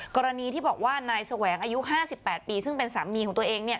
กรณีที่บอกว่านายแสวงอายุห้าสิบแปดปีซึ่งเป็นสามีของตัวเองเนี่ย